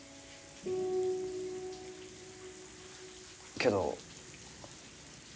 けど。